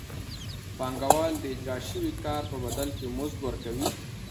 پانګوال د اجراء شوي کار په بدل کې مزد ورکوي